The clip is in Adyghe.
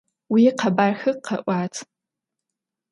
Vuikhebarxe khe'uat!